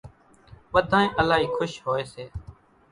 ٻڌانئين الائي کُش ھوئي سي